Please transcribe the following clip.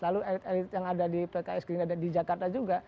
lalu elit elit yang ada di pks gerindra dan di jakarta juga